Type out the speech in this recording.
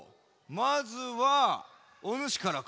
まずはおぬしからか？